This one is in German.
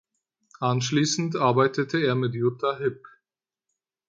Anschließend arbeitete er mit Jutta Hipp.